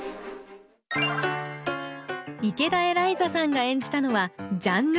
池田エライザさんが演じたのはジャンヌ・ダルク。